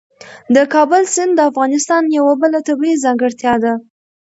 د کابل سیند د افغانستان یوه بله طبیعي ځانګړتیا ده.